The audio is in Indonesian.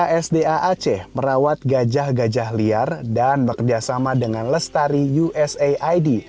ksda aceh merawat gajah gajah liar dan bekerjasama dengan lestari usaid